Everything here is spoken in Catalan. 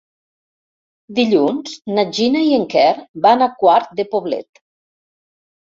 Dilluns na Gina i en Quer van a Quart de Poblet.